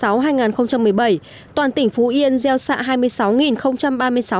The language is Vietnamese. vụ lúa đông xuân hai nghìn một mươi sáu hai nghìn một mươi bảy toàn tỉnh phú yên gieo xạ hai mươi sáu ba mươi sáu hectare